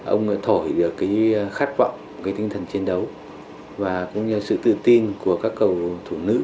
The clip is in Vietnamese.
ông thổi được cái khát vọng cái tinh thần chiến đấu và cũng như sự tự tin của các cầu thủ nữ